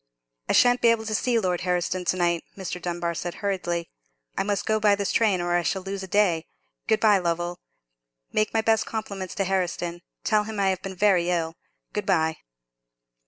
"I shan't be able to see Lord Herriston to night," Mr. Dunbar said, hurriedly; "I must go by this train, or I shall lose a day. Good bye, Lovell. Make my best compliments to Herriston; tell him I have been very ill. Good bye."